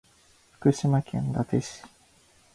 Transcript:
福島県伊達市